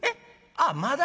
あっまだ？